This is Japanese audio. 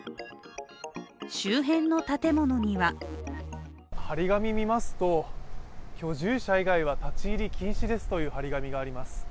周辺の建物には貼り紙を見ますと、居住者以外は立入禁止ですという貼り紙があります。